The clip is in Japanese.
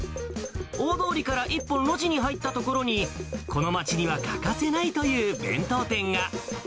大通りから１本路地に入った所に、この町には欠かせないという弁当店が。